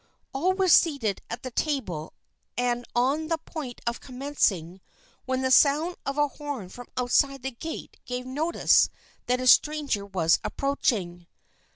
All were seated at the table and on the point of commencing, when the sound of a horn from outside the gate gave notice that a stranger was approaching.